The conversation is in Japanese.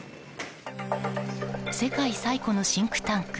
世界最古のシンクタンク